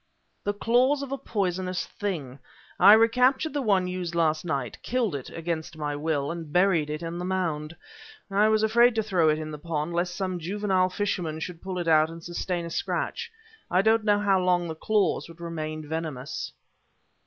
"The claws of a poisonous thing. I recaptured the one used last night, killed it against my will and buried it on the mound. I was afraid to throw it in the pond, lest some juvenile fisherman should pull it out and sustain a scratch. I don't know how long the claws would remain venomous."